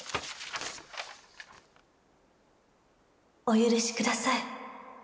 「お許しください」